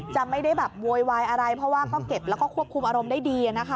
จะไม่ได้แบบโวยวายอะไรเพราะว่าก็เก็บแล้วก็ควบคุมอารมณ์ได้ดีนะคะ